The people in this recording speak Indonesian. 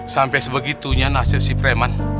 sampai sebegitunya nasir si preman